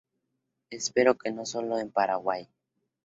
Espero que no solo en Paraguay.